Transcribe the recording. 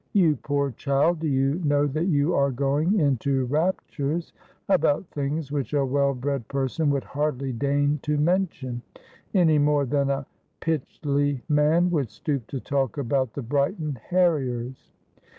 ' You poor child, do you know that you are going into raptures about things which a well bred person would hardly deign to mention, any more than a Py tchley man would stoop to talk about the Brighton Harriers